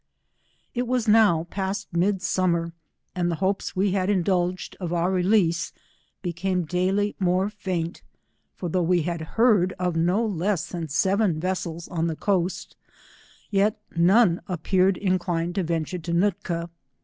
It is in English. It was now past mid summer, and the hopes we had indulged of our release, became daily more faint, for though we had heard of no less than seven vessels on (he coast, yet none appeared inclined to venture to Nootka.